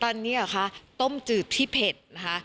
ตอนนี้อ่ะคะต้มจืดพี่เผ็ดนะค่ะ